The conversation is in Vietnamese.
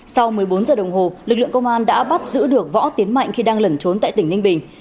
sau một mươi bốn giờ đồng hồ lực lượng công an đã bắt giữ được võ tiến mạnh khi đang lẩn trốn tại tỉnh ninh bình